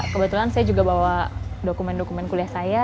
kebetulan saya juga bawa dokumen dokumen kuliah saya